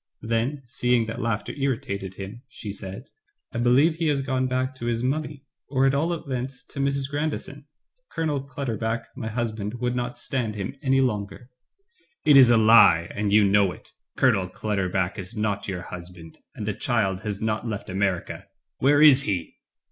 Then seeing that laughter irritated him, she said : Digitized by Google JEAN MIDDLEMASS, 211 "I believe he has gone back to his mummy, or at all events to Mrs. Grandison. Colonel Clutter buck, my husband, would not stand him any longer." "It is a He, and you know it. Colonel Clutter buck is not your husband, and the child has not left America. Where is he?"